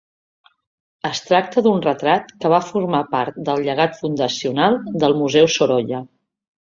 Es tracta d'un retrat que va formar part del llegat fundacional del Museu Sorolla.